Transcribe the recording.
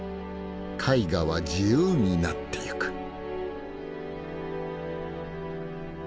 絵画は自由になっていく。